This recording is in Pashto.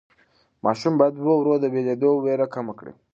ماشوم باید ورو ورو د بېلېدو وېره کمه کړي.